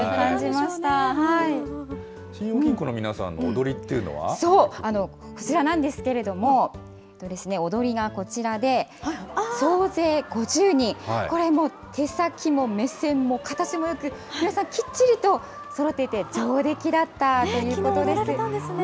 ま信用金庫の皆さんの踊りってそう、こちらなんですけれども、踊りがこちらで、総勢５０人、これもう、手先も目線も形もよく、皆さん、きっちりとそろっていて、踊られたんですね。